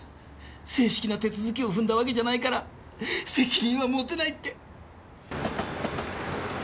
正式な手続きを踏んだわけじゃないから責任は持てないって。